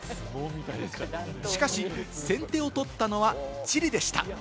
しかし先手を取ったのはチリでした。